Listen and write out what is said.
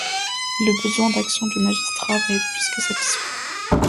Le besoin d'action du magistrat va être plus que satisfait...